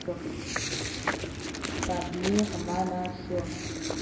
تبلیغ منع شو.